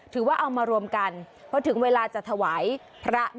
ถือว่าเอามารวมกันเพราะถึงเวลาจะถวายพระ